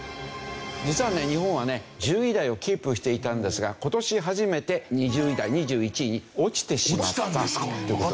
実はね日本はね１０位台をキープしていたんですが今年初めて２０位台２１位に落ちてしまったという事ですね。